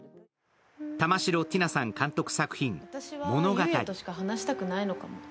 玉城ティナさん監督作品「物語」。